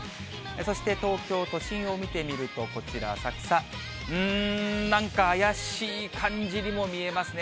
そして東京都心を見てみると、こちら、浅草、うーん、なんか怪しい感じにも見えますね。